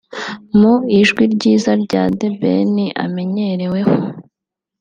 mu ijwi ryiza The Ben amenyereweho